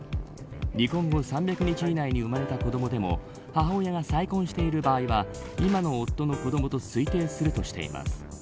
離婚後３００日以内に生まれた子どもでも母親が再婚している場合は今の夫の子どもと推定するとしています。